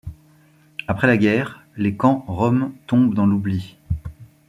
Après la guerre, les camps roms tombent dans l'oubli.